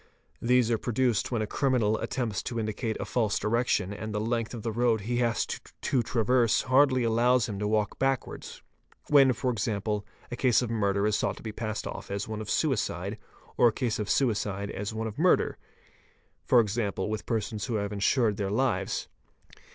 These are produced when a criminal attempts to indicate a false — direction and the length of the road he has to traverse hardly allows him to walk backwards—when for example a case of murder is sought to be passed off as one of suicide, or a case of suicide as one of murder, (e.g., q VARIETIES OF WALKING 527 with persons who have insured their lives).